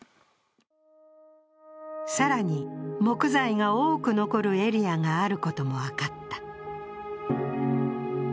更に、木材が多く残るエリアがあることも分かった。